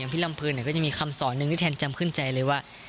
พี่ลำพึงก็จะมีคำสอนหนึ่งที่แทนจำขึ้นใจเลยว่า